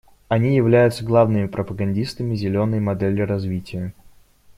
Они являются главными пропагандистами «зеленой» модели развития.